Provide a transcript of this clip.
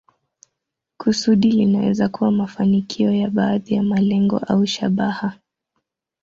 Kusudi linaweza kuwa mafanikio ya baadhi ya malengo au shabaha.